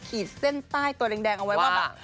ขีดเส้นใต้ตัวแดงเอาไว้ว่าแบบ